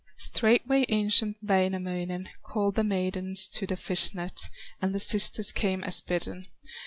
Straightway ancient Wainamoinen Called the maidens to the fish net, And the sisters came as bidden.